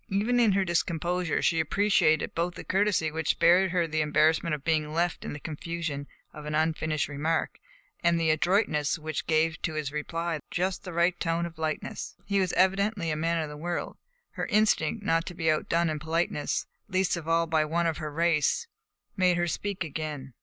Even in her discomposure she appreciated both the courtesy which spared her the embarrassment of being left in the confusion of an unfinished remark and the adroitness which gave to his reply just the right tone of lightness. He was evidently a man of the world. Her instinct, not to be outdone in politeness, least of all by one of her race, made her speak again.